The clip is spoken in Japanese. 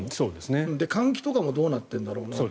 換気とかもどうなっているんだろうなと。